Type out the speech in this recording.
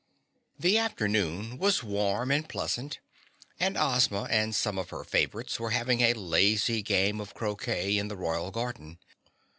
The afternoon was warm and pleasant, and Ozma and some of her favorites were having a lazy game of croquet in the royal garden.